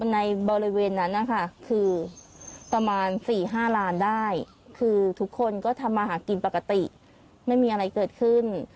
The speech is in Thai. ในบริเวณนั้นนะคะคือประมาณ๔๕ล้านได้คือทุกคนก็ทำมาหากินปกติไม่มีอะไรเกิดขึ้น